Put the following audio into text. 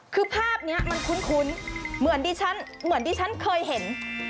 คือภาพนี้มันคุ้นเหมือนที่ฉันเคยเห็น